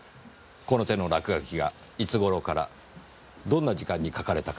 この手の落書きがいつ頃からどんな時間に描かれたか。